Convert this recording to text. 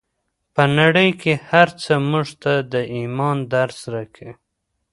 په نړۍ کې هر څه موږ ته د ايمان درس راکوي.